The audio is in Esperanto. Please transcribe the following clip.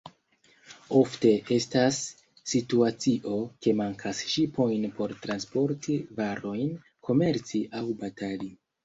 Ofte estas situacio, ke mankas ŝipojn por transporti varojn, komerci aŭ batali.